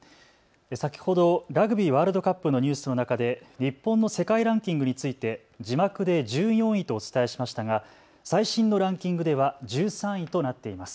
先ほどラグビーワールドカップのニュースの中で日本の世界ランキングについて字幕で１４位とお伝えしましたが最新のランキングでは１３位となっています。